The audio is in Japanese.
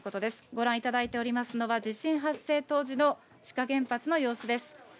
ご覧いただいておりますのは、地震発生当時の志賀原発の様子です。